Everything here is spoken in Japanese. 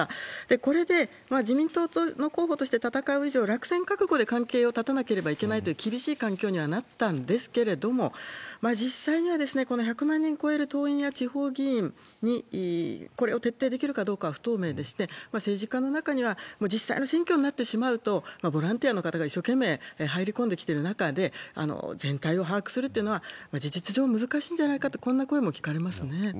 これで自民党の候補として戦う以上、落選覚悟で関係を断たなければいけないという厳しい環境にはなったんですけれども、実際にはこの１００万人超える党員や地方議員にこれを徹底できるかどうかは不透明でして、政治家の中には、実際の選挙になってしまうと、ボランティアの方が一生懸命入り込んできてる中で、全体を把握するというのは事実上、難しいんじゃないかと、こんな声も聞かれますね。